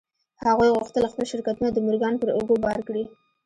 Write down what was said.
هغوی غوښتل خپل شرکتونه د مورګان پر اوږو بار کړي